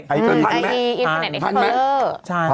ไออีอินเทอร์เน็ตอินเทอร์